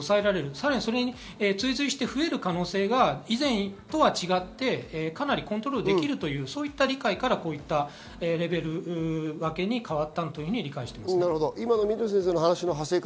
さらに追随して増える可能性は以前とは違って、かなりコントロールできるという理解からこういうレベル分けに変わったと理解しています。